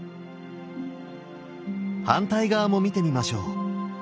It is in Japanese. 反対側も見てみましょう。